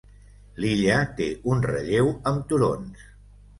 L'illa té un relleu amb turons.